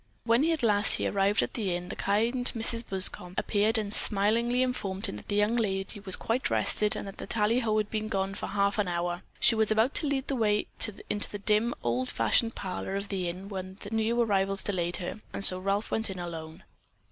When at last he drew up at the Inn, the kind Mrs. Buscom appeared and smilingly informed him that the young lady was quite rested and that the tallyho had been gone for half an hour. She was about to lead the way into the dim, old fashioned parlor of the Inn when new arrivals delayed her, and so Ralph went in alone.